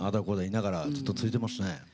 こうだ言いながらずっと続いてますね。